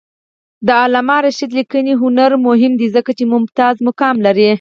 د علامه رشاد لیکنی هنر مهم دی ځکه چې ممتاز مقام لري.